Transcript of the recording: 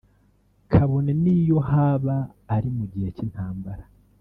kabone niyo haba ari mu gihe cy’intambara